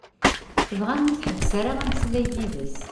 Tebɣa ur tḥebbes ara ameslay yid-s.